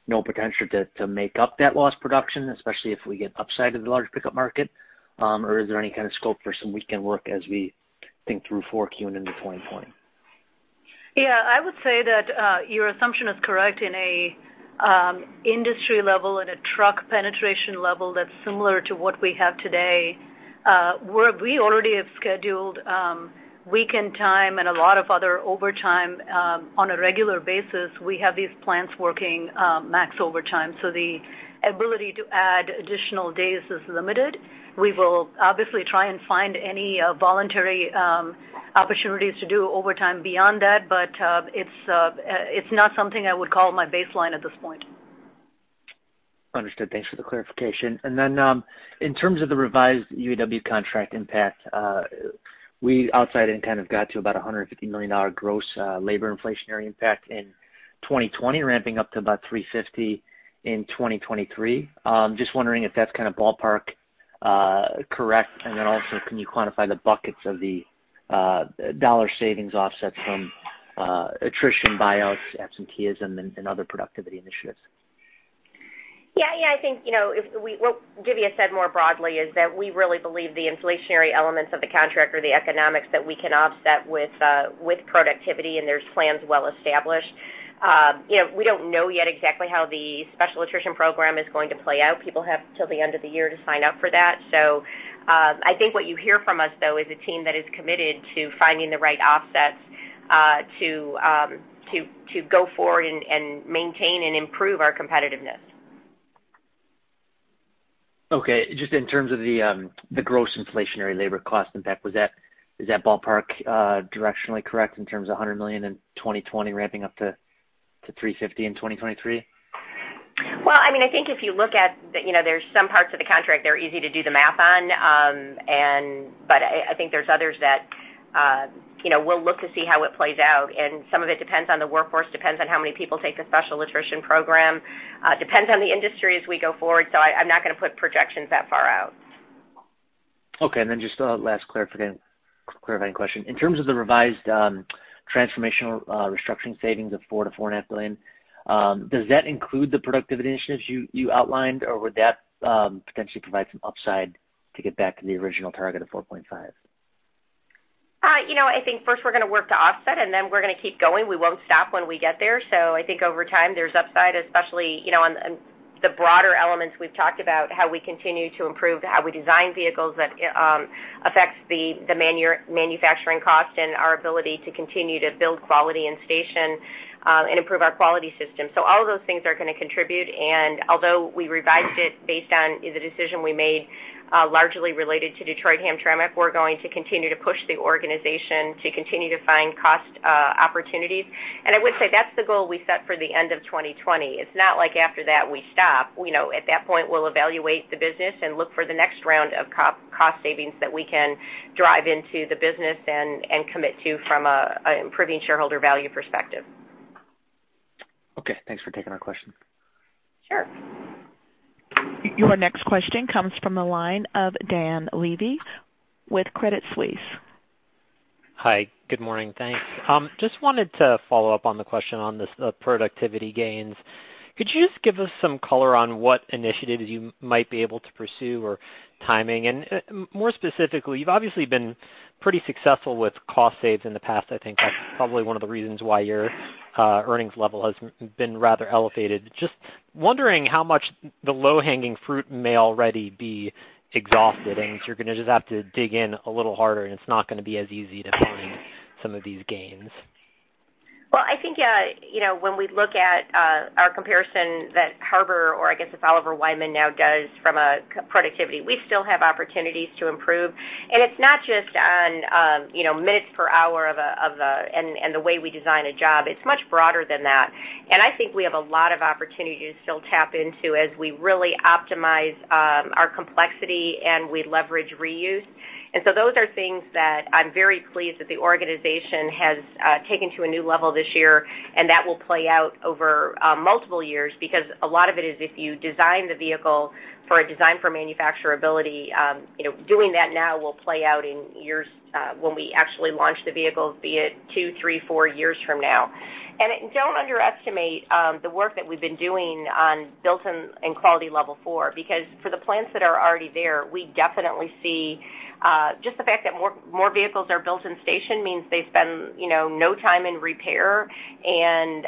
no potential to make up that lost production, especially if we get upside of the large pickup market? Is there any kind of scope for some weekend work as we think through forecasting into 2020? Yeah, I would say that your assumption is correct in an industry level and a truck penetration level that's similar to what we have today, where we already have scheduled weekend time and a lot of other overtime on a regular basis. We have these plants working max overtime. The ability to add additional days is limited. We will obviously try and find any voluntary opportunities to do overtime beyond that, but it's not something I would call my baseline at this point. Understood. Thanks for the clarification. In terms of the revised UAW contract impact, we outside in kind of got to about $150 million gross labor inflationary impact in 2020, ramping up to about $350 million in 2023. Just wondering if that's kind of ballpark correct. Can you quantify the buckets of the dollar savings offsets from attrition, buyouts, absenteeism, and other productivity initiatives? Yeah. I think what Dhivya said more broadly is that we really believe the inflationary elements of the contract are the economics that we can offset with productivity, and there's plans well established. We don't know yet exactly how the special attrition program is going to play out. People have till the end of the year to sign up for that. I think what you hear from us, though, is a team that is committed to finding the right offsets to go forward and maintain and improve our competitiveness. Okay. Just in terms of the gross inflationary labor cost impact, is that ballpark directionally correct in terms of $100 million in 2020 ramping up to $350 million in 2023? Well, I think if you look at, there's some parts of the contract that are easy to do the math on. I think there's others that we'll look to see how it plays out. Some of it depends on the workforce, depends on how many people take the special attrition program, depends on the industry as we go forward. I'm not going to put projections that far out. Okay, just a last clarifying question. In terms of the revised transformational restructuring savings of $4 billion-$4.5 billion, does that include the productivity initiatives you outlined, or would that potentially provide some upside to get back to the original target of $4.5 billion? I think first we're going to work to offset, and then we're going to keep going. We won't stop when we get there. I think over time, there's upside, especially on the broader elements we've talked about, how we continue to improve, how we design vehicles that affects the manufacturing cost and our ability to continue to build quality in station and improve our quality system. All of those things are going to contribute, and although we revised it based on the decision we made largely related to Detroit Hamtramck, we're going to continue to push the organization to continue to find cost opportunities. I would say that's the goal we set for the end of 2020. It's not like after that we stop. At that point, we'll evaluate the business and look for the next round of cost savings that we can drive into the business and commit to from an improving shareholder value perspective. Okay. Thanks for taking our question. Sure. Your next question comes from the line of Dan Levy with Credit Suisse. Hi, good morning. Thanks. Just wanted to follow up on the question on this productivity gains. Could you just give us some color on what initiatives you might be able to pursue or timing? More specifically, you've obviously been pretty successful with cost saves in the past. I think that's probably one of the reasons why your earnings level has been rather elevated. Just wondering how much the low-hanging fruit may already be exhausted, and if you're going to just have to dig in a little harder and it's not going to be as easy to find some of these gains. Well, I think when we look at our comparison that Harbour, or I guess it's Oliver Wyman now does from a productivity, we still have opportunities to improve. It's not just on minutes per hour and the way we design a job. It's much broader than that. I think we have a lot of opportunities to still tap into as we really optimize our complexity and we leverage reuse. Those are things that I'm very pleased that the organization has taken to a new level this year, and that will play out over multiple years because a lot of it is if you design the vehicle for a design for manufacturability, doing that now will play out in years when we actually launch the vehicle, be it two, three, four years from now. Don't underestimate the work that we've been doing on Built-In Quality level 4, because for the plants that are already there, we definitely see just the fact that more vehicles are built in station means they spend no time in repair, and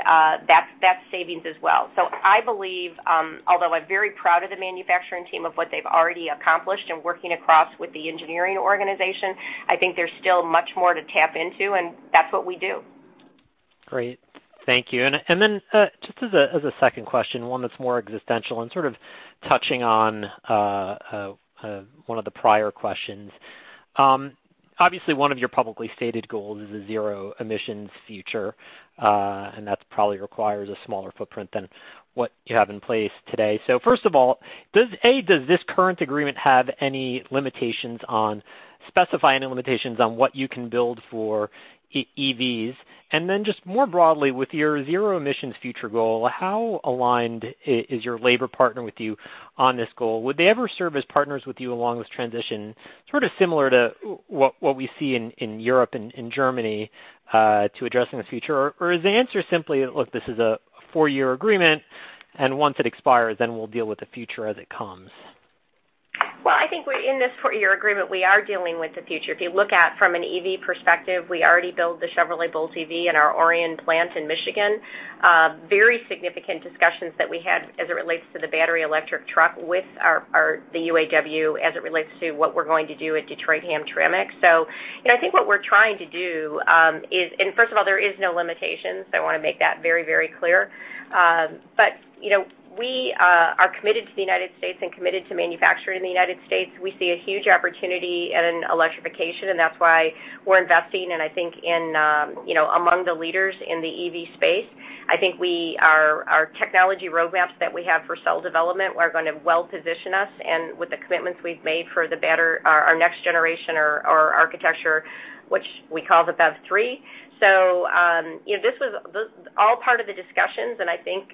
that's savings as well. I believe, although I'm very proud of the manufacturing team of what they've already accomplished and working across with the engineering organization, I think there's still much more to tap into, and that's what we do. Great. Thank you. Just as a second question, one that's more existential and sort of touching on one of the prior questions. Obviously, one of your publicly stated goals is a zero emissions future, and that probably requires a smaller footprint than what you have in place today. First of all, A, does this current agreement have any specifying limitations on what you can build for EVs? Just more broadly, with your zero emissions future goal, how aligned is your labor partner with you on this goal? Would they ever serve as partners with you along this transition, sort of similar to what we see in Europe and Germany to addressing this future? Is the answer simply, look, this is a four-year agreement, and once it expires, then we'll deal with the future as it comes? Well, I think in this four-year agreement, we are dealing with the future. If you look at from an EV perspective, we already build the Chevrolet Bolt EV in our Orion plant in Michigan. Very significant discussions that we had as it relates to the battery electric truck with the UAW as it relates to what we're going to do at Detroit Hamtramck. I think what we're trying to do is, first of all, there is no limitations. I want to make that very clear. We are committed to the United States and committed to manufacturing in the United States. We see a huge opportunity in electrification, and that's why we're investing, and I think among the leaders in the EV space. I think our technology roadmaps that we have for cell development are going to well position us and with the commitments we've made for our next generation or architecture, which we call the BEV3. This was all part of the discussions, and I think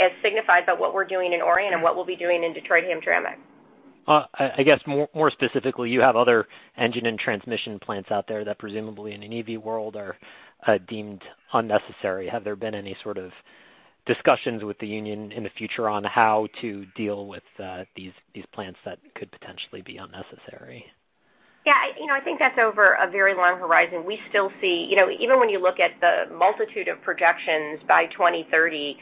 as signified by what we're doing in Orion and what we'll be doing in Detroit Hamtramck. I guess more specifically, you have other engine and transmission plants out there that presumably in an EV world are deemed unnecessary. Have there been any sort of discussions with the union in the future on how to deal with these plants that could potentially be unnecessary? I think that's over a very long horizon. Even when you look at the multitude of projections by 2030,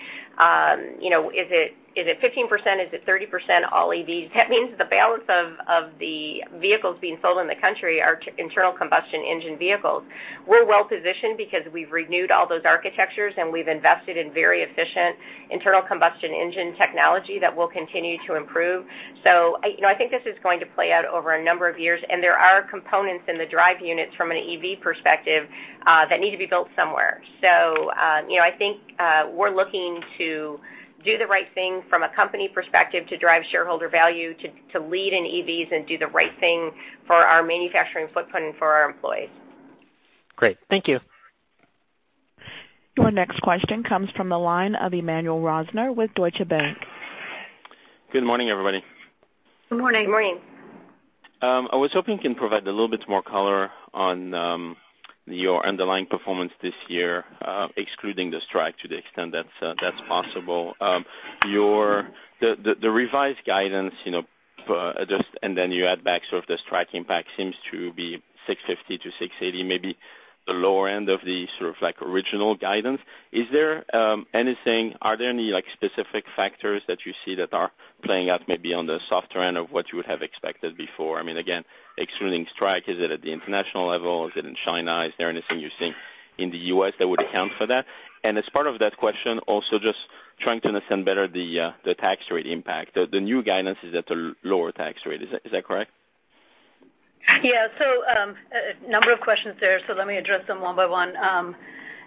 is it 15%, is it 30% all EVs? That means the balance of the vehicles being sold in the country are internal combustion engine vehicles. We're well-positioned because we've renewed all those architectures, and we've invested in very efficient internal combustion engine technology that will continue to improve. I think this is going to play out over a number of years, and there are components in the drive units from an EV perspective, that need to be built somewhere. I think, we're looking to do the right thing from a company perspective to drive shareholder value, to lead in EVs and do the right thing for our manufacturing footprint and for our employees. Great. Thank you. Your next question comes from the line of Emmanuel Rosner with Deutsche Bank. Good morning, everybody. Good morning. Good morning. I was hoping you can provide a little bit more color on your underlying performance this year, excluding the strike to the extent that's possible. The revised guidance, and then you add back sort of the strike impact seems to be $650-$680, maybe the lower end of the sort of original guidance. Are there any specific factors that you see that are playing out maybe on the softer end of what you would have expected before? I mean, again, excluding strike, is it at the international level? Is it in China? Is there anything you're seeing in the U.S. that would account for that? As part of that question, also just trying to understand better the tax rate impact. The new guidance is at a lower tax rate. Is that correct? A number of questions there, so let me address them one by one.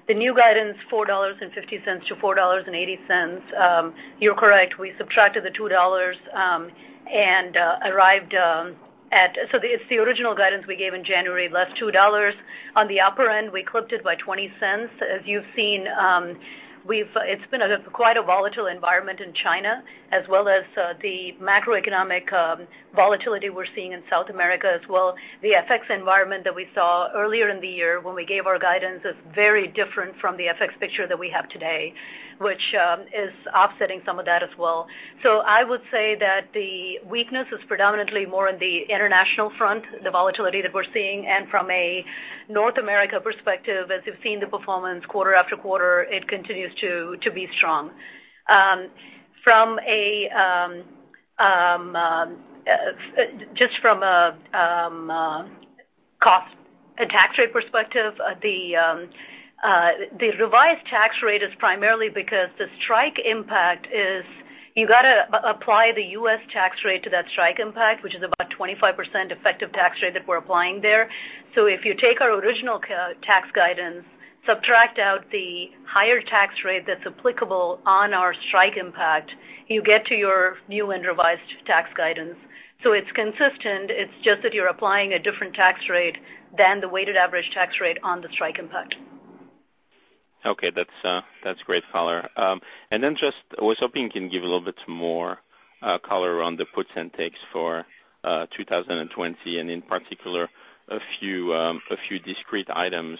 The new guidance, $4.50-$4.80. You are correct. We subtracted the $2. It is the original guidance we gave in January, less $2. On the upper end, we clipped it by $0.20. As you have seen, it has been quite a volatile environment in China as well as the macroeconomic volatility we are seeing in South America as well. The FX environment that we saw earlier in the year when we gave our guidance is very different from the FX picture that we have today, which is offsetting some of that as well. I would say that the weakness is predominantly more on the international front, the volatility that we are seeing. From a North America perspective, as you have seen the performance quarter after quarter, it continues to be strong. Just from a cost and tax rate perspective, the revised tax rate is primarily because the strike impact is you got to apply the U.S. tax rate to that strike impact, which is about 25% effective tax rate that we're applying there. If you take our original tax guidance, subtract out the higher tax rate that's applicable on our strike impact, you get to your new and revised tax guidance. It's consistent, it's just that you're applying a different tax rate than the weighted average tax rate on the strike impact. Okay. That's great color. Just I was hoping you can give a little bit more color on the puts and takes for 2020 and in particular, a few discrete items.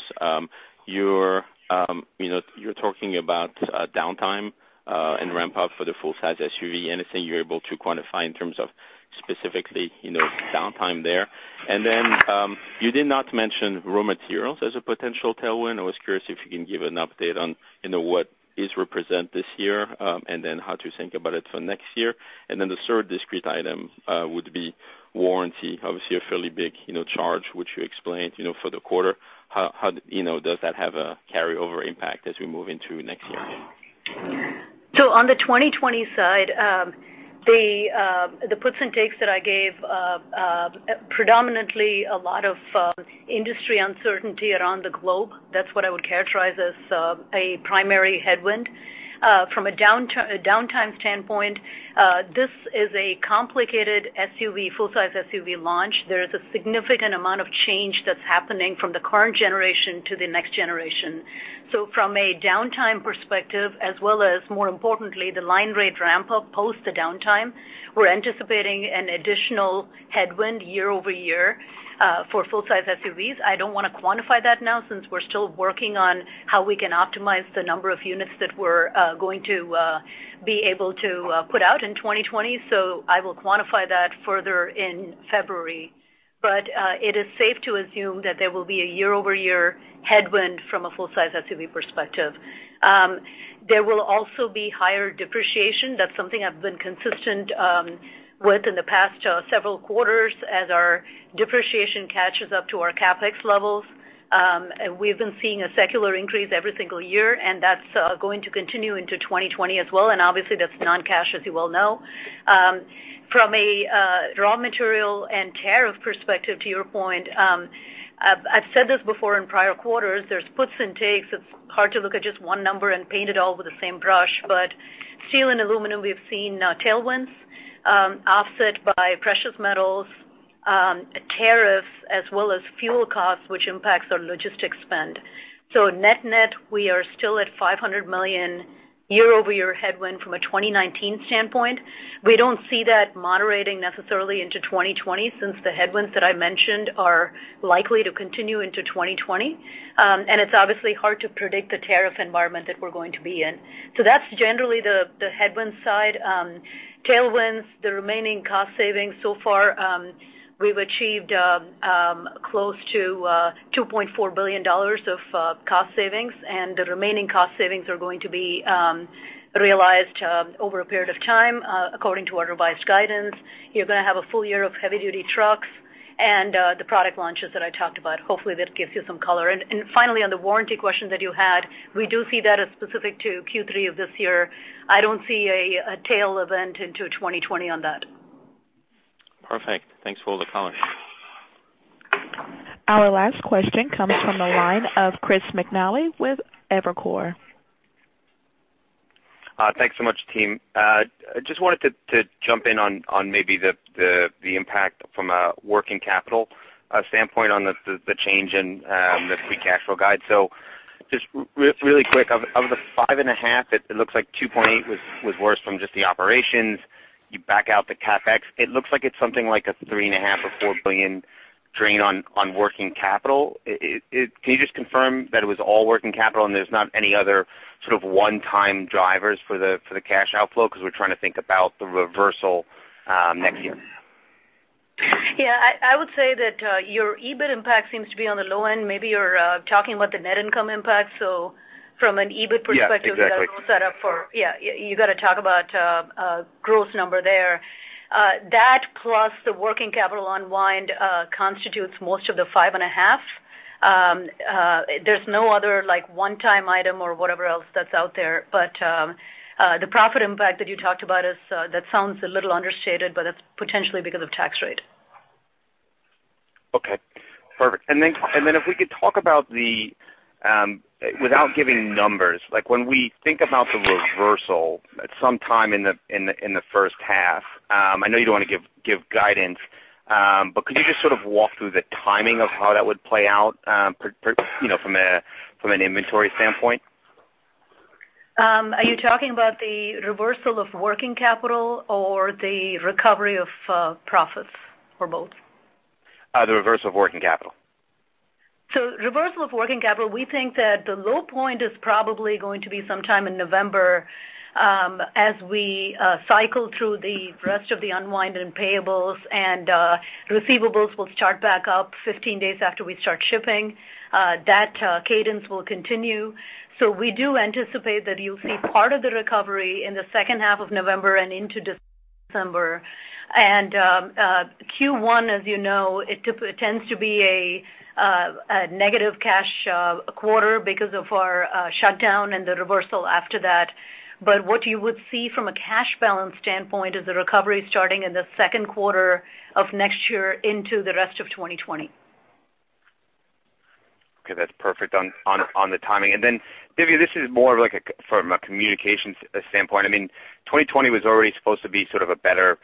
You're talking about downtime, and ramp up for the full size SUV. Anything you're able to quantify in terms of specifically downtime there? You did not mention raw materials as a potential tailwind. I was curious if you can give an update on what is represent this year, how to think about it for next year. The third discrete item would be warranty, obviously a fairly big charge, which you explained for the quarter. Does that have a carryover impact as we move into next year? On the 2020 side, the puts and takes that I gave, predominantly a lot of industry uncertainty around the globe. That's what I would characterize as a primary headwind. From a downtime standpoint, this is a complicated full-size SUV launch. There is a significant amount of change that's happening from the current generation to the next generation. From a downtime perspective as well as more importantly, the line rate ramp up post the downtime, we're anticipating an additional headwind year-over-year for full-size SUVs. I don't want to quantify that now since we're still working on how we can optimize the number of units that we're going to be able to put out in 2020. I will quantify that further in February. It is safe to assume that there will be a year-over-year headwind from a full-size SUV perspective. There will also be higher depreciation. That's something I've been consistent with in the past several quarters as our depreciation catches up to our CapEx levels. We've been seeing a secular increase every single year. That's going to continue into 2020 as well. Obviously that's non-cash, as you well know. From a raw material and tariff perspective, to your point, I've said this before in prior quarters, there's puts and takes. It's hard to look at just one number and paint it all with the same brush. Steel and aluminum, we've seen tailwinds offset by precious metals, tariffs as well as fuel costs, which impacts our logistics spend. Net-net, we are still at $500 million year-over-year headwind from a 2019 standpoint. We don't see that moderating necessarily into 2020, since the headwinds that I mentioned are likely to continue into 2020. It's obviously hard to predict the tariff environment that we're going to be in. That's generally the headwinds side. Tailwinds, the remaining cost savings. So far, we've achieved close to $2.4 billion of cost savings, and the remaining cost savings are going to be realized over a period of time, according to our revised guidance. You're going to have a full year of heavy duty trucks and the product launches that I talked about. Hopefully, that gives you some color. Finally, on the warranty question that you had, we do see that as specific to Q3 of this year. I don't see a tail event into 2020 on that. Perfect. Thanks for all the color. Our last question comes from the line of Chris McNally with Evercore. Thanks so much team. Just wanted to jump in on maybe the impact from a working capital standpoint on the change in the free cash flow guide. Just really quick, of the 5.5, it looks like 2.8 was worse from just the operations. You back out the CapEx, it looks like it's something like a $3.5 billion or $4 billion drain on working capital. Can you just confirm that it was all working capital and there's not any other sort of one-time drivers for the cash outflow? We're trying to think about the reversal next year. Yeah, I would say that your EBIT impact seems to be on the low end. Maybe you're talking about the net income impact. Yeah, exactly. You got to talk about gross number there. That plus the working capital unwind constitutes most of the five and a half. There's no other one-time item or whatever else that's out there. The profit impact that you talked about, that sounds a little understated, but it's potentially because of tax rate. Okay, perfect. If we could talk about the, without giving numbers, when we think about the reversal at some time in the first half, I know you don't want to give guidance, but could you just sort of walk through the timing of how that would play out from an inventory standpoint? Are you talking about the reversal of working capital or the recovery of profits, or both? The reversal of working capital. Reversal of working capital, we think that the low point is probably going to be sometime in November, as we cycle through the rest of the unwind and payables, and receivables will start back up 15 days after we start shipping. That cadence will continue. We do anticipate that you'll see part of the recovery in the second half of November and into December. Q1, as you know, it tends to be a negative cash quarter because of our shutdown and the reversal after that. What you would see from a cash balance standpoint is the recovery starting in the second quarter of next year into the rest of 2020. Okay, that's perfect on the timing. Dhivya, this is more of from a communications standpoint. I mean, 2020 was already supposed to be sort of a better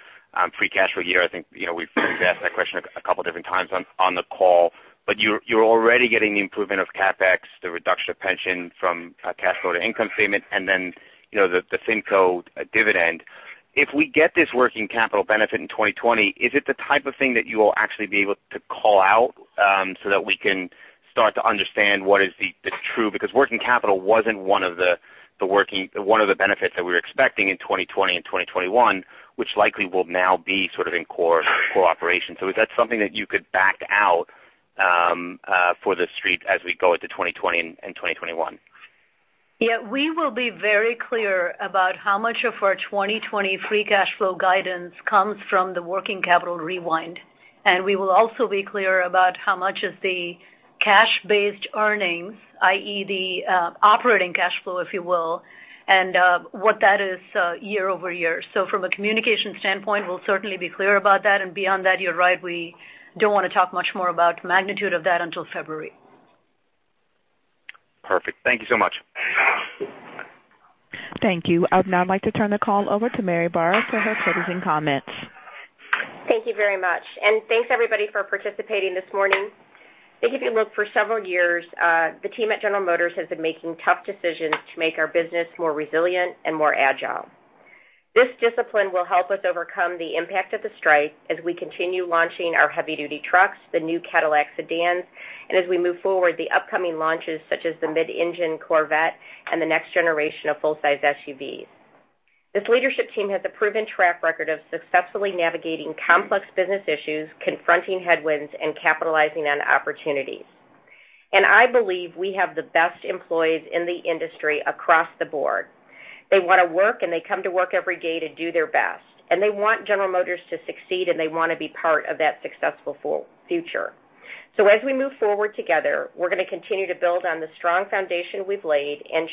free cash flow year. I think we've asked that question a couple different times on the call. You're already getting the improvement of CapEx, the reduction of pension from cash flow to income statement, and then the FinCo dividend. If we get this working capital benefit in 2020, is it the type of thing that you will actually be able to call out so that we can start to understand what is the true? Because working capital wasn't one of the benefits that we were expecting in 2020 and 2021, which likely will now be sort of in core operation. Is that something that you could back out for the Street as we go into 2020 and 2021? Yeah, we will be very clear about how much of our 2020 free cash flow guidance comes from the working capital rewind. We will also be clear about how much of the cash-based earnings, i.e., the operating cash flow, if you will, and what that is year-over-year. From a communication standpoint, we'll certainly be clear about that. Beyond that, you're right, we don't want to talk much more about magnitude of that until February. Perfect. Thank you so much. Thank you. I'd now like to turn the call over to Mary Barra for her closing comments. Thank you very much, and thanks everybody for participating this morning. I think if you look for several years, the team at General Motors has been making tough decisions to make our business more resilient and more agile. This discipline will help us overcome the impact of the strike as we continue launching our heavy-duty trucks, the new Cadillac sedans, and as we move forward, the upcoming launches such as the mid-engine Corvette and the next generation of full-size SUVs. This leadership team has a proven track record of successfully navigating complex business issues, confronting headwinds, and capitalizing on opportunities. I believe we have the best employees in the industry across the board. They want to work, and they come to work every day to do their best, and they want General Motors to succeed, and they want to be part of that successful future. As we move forward together, we're going to continue to build on the strong foundation we've laid and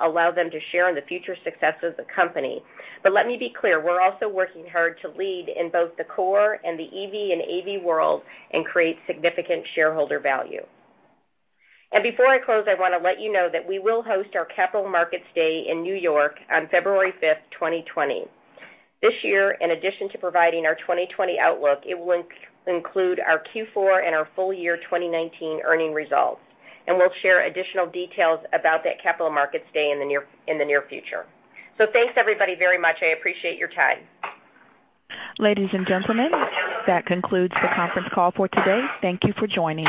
allow them to share in the future success of the company. Let me be clear, we're also working hard to lead in both the core and the EV and AV world and create significant shareholder value. Before I close, I want to let you know that we will host our Capital Markets Day in New York on February 5th, 2020. This year, in addition to providing our 2020 outlook, it will include our Q4 and our full year 2019 earnings results. We'll share additional details about that Capital Markets Day in the near future. Thanks everybody very much. I appreciate your time. Ladies and gentlemen, that concludes the conference call for today. Thank you for joining.